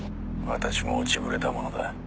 私も落ちぶれたものだ。